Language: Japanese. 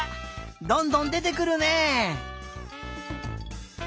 どんどんでてくるね！